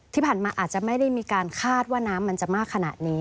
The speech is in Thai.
ที่ผ่านมาอาจจะไม่ได้มีการคาดว่าน้ำมันจะมากขนาดนี้